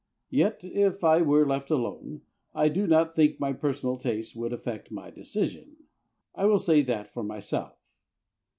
Yet, if I were left alone, I do not think my personal taste would affect my decision; I will say that for myself.